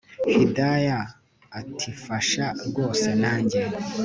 Hidaya atimfasha rwose najye